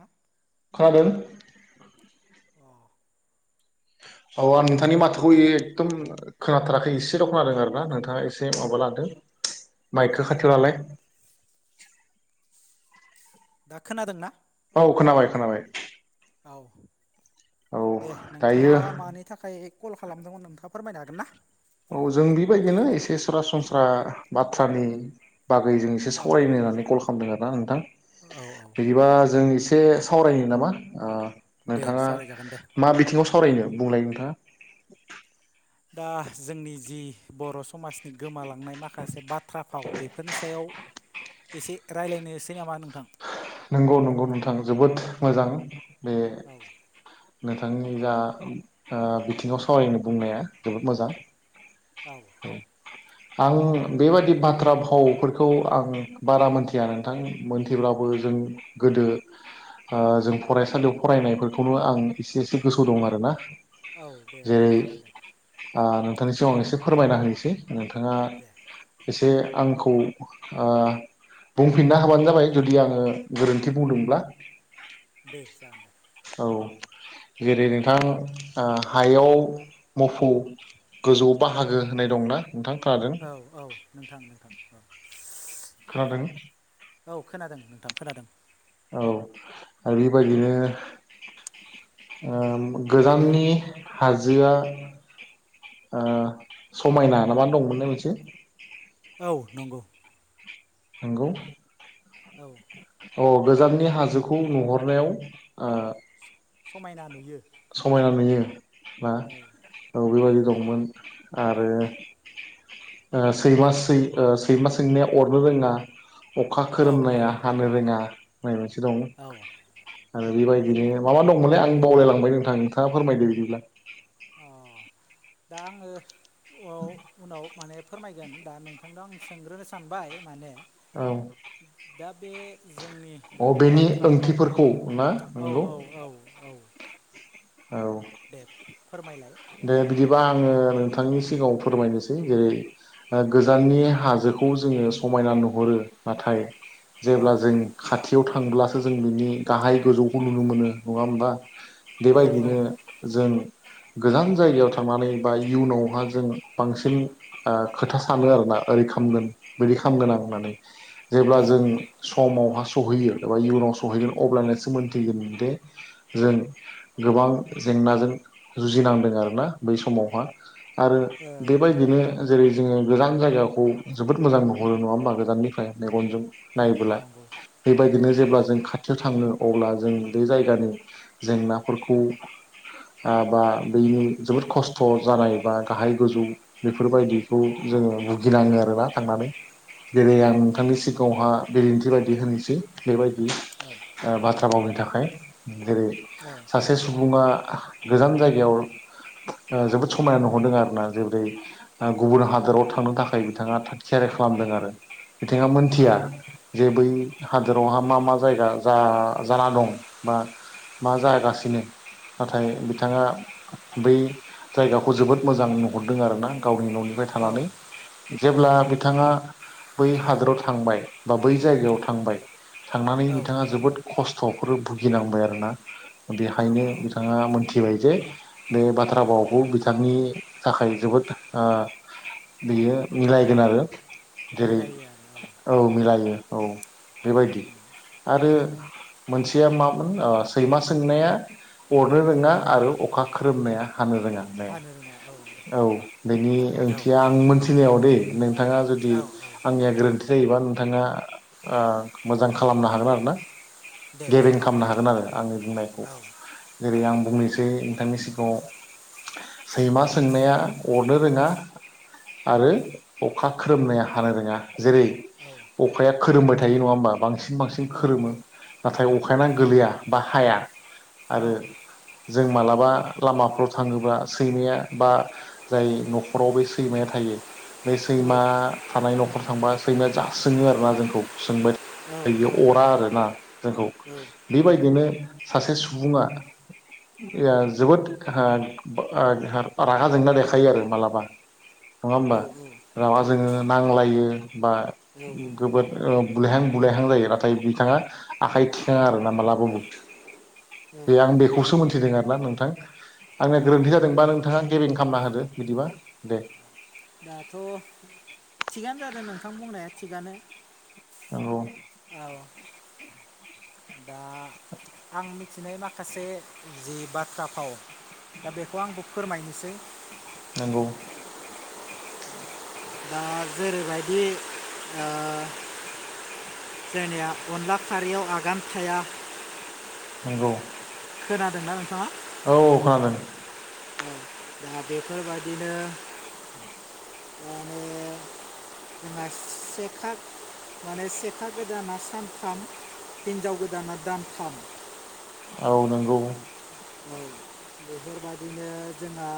अ खोनादों अ आं थांनि माथोखौ दे एकदम खोनाथाराखै एसेल' खोनादों आरोना नोंथाङा एसे माबा लादों अ माइकखौ खाथियावलालाय। दा खोनादोंं ना? औ खोनाबाय खोनाबाय औ औ दे दायो नोंथाङा मानि थाखाय कल खालामदोंमोन नोंथाङा फोरमायनो हागोन ना? औ जों बेबायदिनो एसे सरासनस्रा बाथ्रानि बागै जों एसे औ सावरायनो होननानै कल खालामदों आरोना नोंथां औ औ बिदिबा जों ए से सावरायो नामा ओ दे नोंथाङा सावरायजागोन दे मा बिथिङाव सावरायनो बुंलाय नोंथाङा। दा जोंनि जि बर' समाज गोमालांनाय माखासे बाथ्रा फाव बेफोरनि सायाव एसे रायलायनोसै नामा नोंथां? नंगौ नंगौ नोंथां जोबोद मोजां‌। बे औ नों थांनि जा ओ बिथिङाव सावरायनो बुंनाया जोबोद मोजां। औ आं बेबादि बाथ्रा भावफोरखौ आं बारा मोनथिया नोंथां मोनथिब्लाबो जों गोदो ओ जों फरायसालियाव फरायनायफोरखौनो आं एसे एसे गोसो दं आरोना औ दे जेरै बुंजागोन दे। ओ नोंथांनि सिगाङाव आं एसे फोरमायना होनोसै नोंथाङा दे एसे आंखौ ओ बुंफिनना होबानो जाबाय जुदि आङो गोरोन्थि बुंदोंब्ला दे जागोन दे औ जेरै नोंथां हायाव ओ मोफौ गोजौआव बाहागो होननाय दंना नोंथां खोनादों औ औ नोंथां नोंथां औ खोनादों? औ खोनादों नोंथां खोनादों औ आरो बेबायदिनो ओम गोजाननि हाजोआ ओ समायना ना मा दंमोनलाय मोनसे औ नंगौ नंगौ औ अ गोजाननि हाजोखौ नुहरनायाव समायना नुयो समायना नुयो ना औ औ बेेबायदि दंमोन आरो ओ सैमा सै-सैमा सोंनाया अरनो रोङा अखा औ औ खोरोमनाया हानो रोङा होननाय मोनसे दं औ आरो बेबायदिनो माबा दंमोनलै आं बावलायलांबाय दा नोंथाङा फोरमायदो बिदिब्ला अ दा आङो औ उनाव माने फोरमायगोन दा नोंथांनाव आं सोंग्रोनो सानबाय माने औ दा बे जोंनि दा अ बे बेनि बाथ्रा फाव ओंथिफोरखौ ना औ नंगौ औ औ औ औ दे फोरमायलाय दे बिदि आङो नोंथांनि सिगाङाव फोरमायनोसै जेरै गोजाननि हाजोखौ जोङो समायना नुहरो नाथाय औ जेब्ला जों खाथियाव थांब्ला जों बिनि गाहाय गोजौखौ नुनो मोनो नङा होमबा औ बेबायदिनो जों गोजान जायगायाव थांनानै बा इयुनावहा जों बांसिन ओ खोथा सानो आरोना ओरै खालामगोन बिदि खालामगोन आं होननानै जेब्ला औ जों समाव हास सहैयो एबा इयुनाव सहैगोन अब्लानोसो मोनथिगोन दे जों गोबां जेंनाजों जुजिनांदों आरोना बै समावहा आरो औ बेबायदिनो जेरै जोङो गोजान जायगाखौ जोबोद मोजां नुहरो नङा होमबा गोजाननिफ्राय मेगनजों नंगौ नायबोला नंगौ बेबायदिनो नंगौ जेब्ला जों खाथियाव थाङो अब्ला जों बे जायगानि जेंना फोरखौ ओ बा बेनि जोबोद खस्थ' जानाय बा गाहाय गोजौ बेफोरबायदिखौ जोङो भुगिनाङो आरोना थांनानै। जेरै औ आं नोंथांनि सिगाङावहा बिदिन्थि थिबायदि होनसै बेबाय दि औ ओ बाथ्रा भावनि थाखाय जेरै सुबुङा गोजान जायगायाव ओ जोबोद समायना नुहरदों आरो ना जेबोरै गुबुन हादोराव थांनो थाखाय बिथाङा थाग थियारि खालामदों आरो। बिथाङा मोनथिया जे बै हादोरावहा मा मा जायगा जा जाना दं बा मा जागासि नो नाथाय बिथाङा बै जायगाखौ जोबोद मोजां नुहरदों आरो ना। गावनि न'निफ्राय थानानै औ जेब्ला बिथाङा बै हादोराव थांबाय बा बै जायगायाव थांबाय थांनानै बिथाङा जोबोद खस थ'फोर भुगिनांबाय आरोना। औ बेहायनो औ बिथाङा मोनथिबाय जे बे बाथ्रा भावखौ बिथांनि थाखाय जोबोद ओ बियो मिलायगोन आरो। जेरै मिलायो आरो औ मिलायो। औ। बेबायदि उम आरो उम मोनसे या मामोन ओ सैमा सों सोंनाया अरनो रोङा रोङो आरो अखा औ खोरोमनाया हानो रोङा होननाया हानो रोङा औ बेनि ओंथिया आं मोनथिनायाव दे। नों थाङा जुदि औ औ आंनिया गोरोन्थि जायोबा थाङा ओ मोजां खालामनो हागोन आरो ना। दे गेबें जागोन दे खालामनो हागोन आरो आंनि बुंनाय जेरै आं बुंनोसै नोंथांनि सि [unintelligible] सैमा सोंनाया अरनो रोङा आरो अखा खोरोमनाया हानो रोङा। जेरै अखाया खोरोमबाय थायो नङा होमबा बांसि सिन बांसिन खोरोमो नाथाय अखाया नो गोलैया बा हाया। आरो जों मालाबा लामाफ्राव थाङोबा सैमाया बा जाय न'खराव बे सैमाया थायो बै सैमा थानाय नखर थांबा सैमाया जा सोङो आरोना जोंखौ सोंबाय इयो अरा आरोना जोंखौ। बेबायदिनो सासे सुबुङा [unintelligible] जोबोद ओ ओ रागा जोंना देखायो आरो मालाबा। नङा होमबा रागा जोङो नांलायो बा गोबोद ओ बुलायहां बुलायहां जायो नाथाय बिथाङा आखाइ थिखाङा आरो ना मालाबाबुद। दे आं बेखौसो मोन्थिदों आरोना नोंथां। [inaudible] आंना गोरोन्थि जादोंबा नोंथाङा गेबें खालामना होदो बिदिबा दे। दाथ' थिगानो जादों नोंथां बुंनाया थिगानो। औ। औ दा आं मि थिनाय माखासे जि बाथ्रा फाव दा बेखौ आंबो फोरमायनोसै। नोंगौ। दा जेरैबायदि ओ जोनिया अनला खारियाव आगान थाया नोंगौ। खोनादोंना नोंथाङा? खोनादों औ। दा बेफोरबादिनो माने जोंहा सेखा माने सेखा गोदाना सान्थाम हिनजाव गोदाना दान्थाम। औ नोंगौ। औ बेफोरबादिनो जोंहा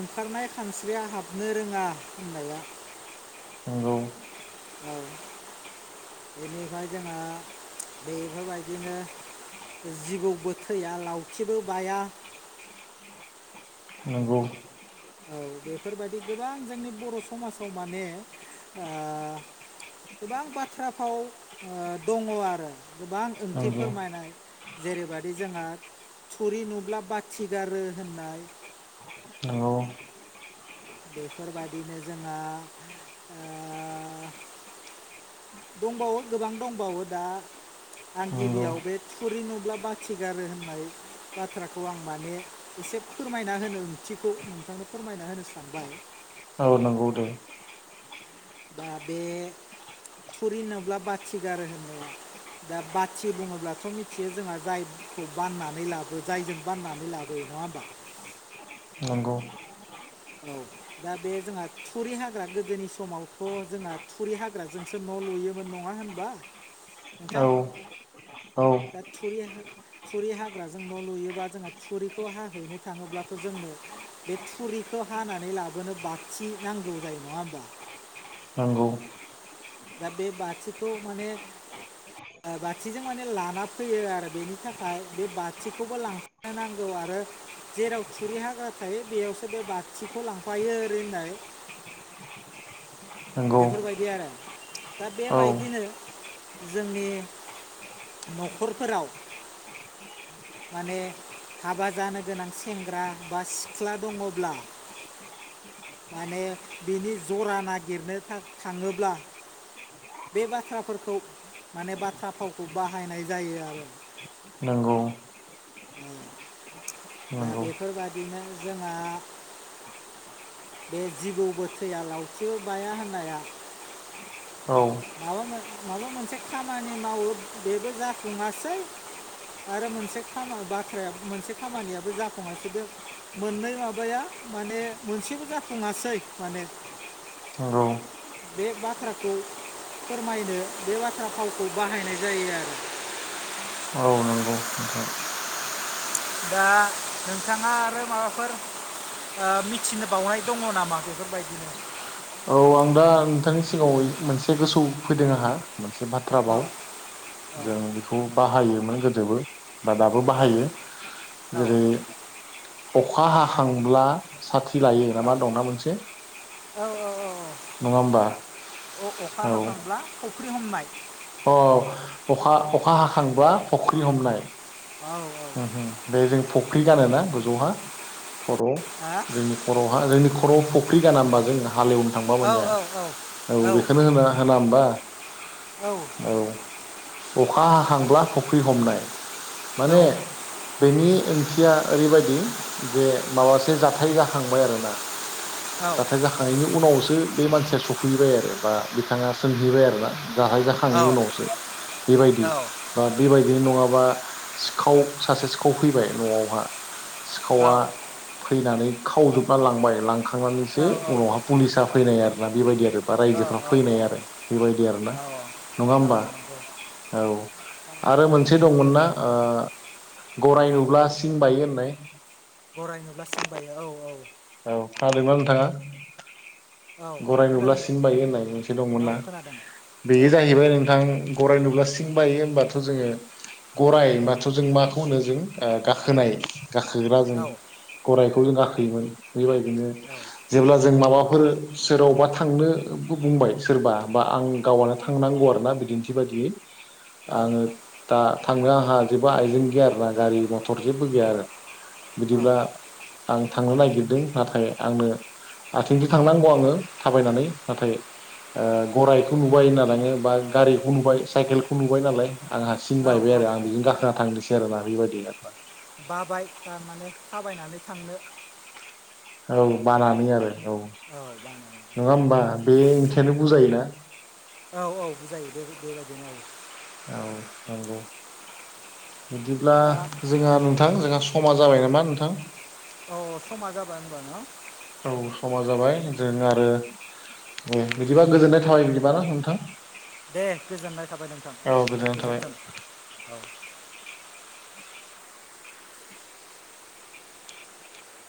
ओंखारनाय खानस्रिया हाबनो रोङा होननाया नोंगौ। औ बेनिफ्राय जोंहा बेफोरबायदिनो जिबौबो थैया लावथिबो बाया नोंगौ। औ बेफोर बायदि गोबां जोंनि बर' समाजाव माने ओ गोबां बाथ्रा फाव ओ दङ' आरो गोबां ओंथि नंगौ फोरमायनाय जेरै बायदि जोंहा थुरि नुब्ला बाथि गारो होननाय औ। बेफोरबायदिनो जोंहा ओ दंबावो गोबां दंबावो दा आं नंगौ गिबियाव बे थुरि नुब्ला बा थि गारो होननाय बाथ्राखौ आं माने एसे फोरमायना होनो ओंथिखौ। नोंथांनो फोरमायना होनो सानबाय औ नंगौ दे दा बे थुरि नुब्ला बाथिगार होननाया। दा बाथि बुङोब्लाथ' मि जे जोंहा जायखौ बाननानै लाबो जायजों बाननानै लाबोयो नंङा होमबा। नंगौ। औ दा बे जोंहा थुरि हाग्रा गोदोनि समाव। थ'जोंना थुरि हाग्राजोंसो न' लुयोमोन नंङा होनबा। नोंथां औ। दा थुरि हा थुरि हाग्राजों न' लुयोबा जोंहा थुरिखौ हाहैनो थांङोब्लाथ' जोंनो बे थुरिखौ हानानै लाबोनो बथि नांगौ जायो नंङा होमबा। नंगौ। दा बे बाथिखौ माने बाथिजों माने लाना फैयो आरो बेनि थाखाय बे बाथिखौबो लांफानो नांगौ आरो जेराव थुरि हाग्रा थायो बेयावसो बे बाथिखौ लांफायो ओरै होननाय नंगौ बेफोरबायदि आरो दा औ बेबायदिनो जोंनि न'खरफोराव माने हाबा जानो गोनां सेंग्रा बा सिख्ला दङब्ला माने बिनि जरा नागिरनो थां थांङोब्ला बे बाथ्राफोरखौ माने बाथ्रा फावखौ बाहायनाय जायो आरो। नंगौ दा नंगौ बेफोरबादिनो जोंहा बे जिबौ बो थैया लावथिबो बाया होननाया औ माबा माबा मोनसे खामानि मावो बेबो जाफुंङासै आरो मोनसे खाम बाथ्रा मोनसे खामानियाबो जाफुंङासै बे मोननै माबाया माने मोनसेबो जाफुनङासै माने नंगौ बे बाथ्राखौ फोरमायनो बे बाथ्रा फावखौ बाहायनाय जायो आरो। औ नंगौ नोंथां दा नोंथांङा आरो माबाफोर ओ मिथिनो बावनाय दंङ नामा बेफोरबायदिनो औ आं दा नोंथांनि सिगांङाव मोनसे गोसो फैदों आंहा मोनसे बाथ्रा औ बाव औ जों बेखौ बाहायोमोन गोदोबो बा दाबो औ बाहायो औ जेरै अखा हाखांब्ला साथि थि लायो औ मा दंना मोनसे औ औ औ। नङा होमबा अ- अखा औ हाखांब्ला फुख्रि हमनाय अ अखा अखा हाखांबा फख्रि हमनाय औ हा औ उम बे जों फुख्रि गानोना गोजौहा। खर'आव जोंनि खर'हा जोंनि खर'आव फुख ख्रि गानामबा जोंना। हालेवनो थांबा मानिया औ बेखौनो होना होना होमबा औ। अखा हाखांब्ला फुख्रि हमनाय माने बेनि ओंथिया ओरैबादि जे माबासे जाथाय जाखांबाय आरोना। जाथाय जाखांनायनि उनावसो बे मानसिया सफैबाय आरो। बा बिथाङा सोंहैबाय आरो ना। जाहाय जाखांनायनि उनावसो बेबायदि बा बेबायदिनो नङा। बा सिखाव सासे सिखाव फैबाय न'आवहा। सिखावा फैनानै। खावजोबना लांबाय लां थांखांनानैसो उनावहा पुलिसा फैनाय आरो [unintelligible] बेबायदि आरो बा औ रायजोफ्रा फैनाय आरो बेबायदि आरोना औ नङा होमबा नंगौ औ आरो मोनसे दंमोनना ओ गराय नुब्ला सिं बायो होननाय गराय नुब्ला सिं बायो औ औ औ खोनादोंना नोंथाङा औ गराय नुब्ला खोनादों दे सिं बायो होननाय मोनसे औ दंमोनना खोनादों औ बेयो जाहैबाय नोंथां गराइ नुब्ला सिं बायो होमबाथ' जोङो गराइ होनबाथ' जों माखौ होनो जों ओ गाखोनाय। गाखोग्रा जों औ गराइखौ जों गाख दैमोन बेबायदिनो औ जेब्ला जों माबा फोरो सोरावबा थांनोबो बुंबाय सोरबा बा आं गावआनो थांनांगौ आरोना बिदिन्थि बादियै आङो दा थांनो आंहा जेबो आइजें गैया आरोना गारि मथर जेबो गैया आरो बिदिब्ला आं थांनो नागिरदों नाथाय आंनो आथिंजों थांनां अ आङो थाबायनानै नाथाय ओ गरायाइखौ नुबाय होनना लाङो बा गारिखौ नुबाय साइकेलखौ नुबाय नालाय आं हारसिं औ बायबाय औ आरो आं बेजों गाखोना थांनोसै। सेरोना बेबायदि ना। बाबाय थारमाने थाबायनानै थांनो। औ बानानै आरो। औ नङा होमबा बे ओंखयानो बुजायोना। [unintelligible] आ नंगौ। बिदिब्ला दा जोंहा नोंथां जोंहा समा जाबाय नामा नोंथां। औ समा जाबाय होनबा ना। औ समा जाबाय जों आरो ए बिदिबा गोजोननाय थाबाय बिदिबा ना नोंथां। दे गोजोननाय थाबाय नोंथां औ दे गोजोननाय थाबाय गोजोनथों औ।